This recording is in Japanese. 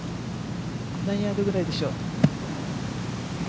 何ヤードぐらいでしょう。